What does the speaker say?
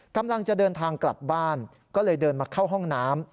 กำลังจะเดินทางกลับบ้านก็เลยเดินมาเข้าห้องน้ำ